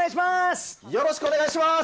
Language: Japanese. よろしくお願いします。